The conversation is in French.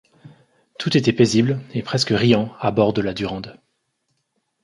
Tout était paisible et presque riant à bord de la Durande.